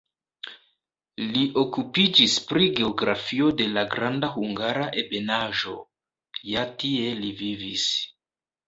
Li okupiĝis pri geografio de la Granda Hungara Ebenaĵo (ja tie li vivis).